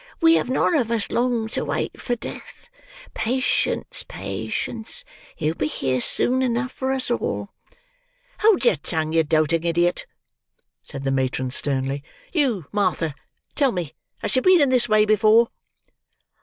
"We have none of us long to wait for Death. Patience, patience! He'll be here soon enough for us all." "Hold your tongue, you doting idiot!" said the matron sternly. "You, Martha, tell me; has she been in this way before?"